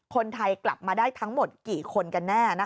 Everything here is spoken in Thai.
คนไทยกลับมาได้ทั้งหมดกี่คนกันแน่